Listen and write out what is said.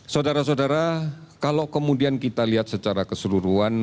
saudara saudara kalau kemudian kita lihat secara keseluruhan